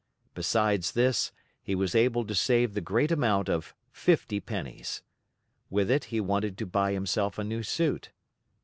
Besides this, he was able to save the great amount of fifty pennies. With it he wanted to buy himself a new suit.